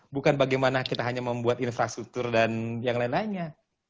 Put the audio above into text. bukan bagaimana kita hanya membuat infrastruktur dan yang lain lainnya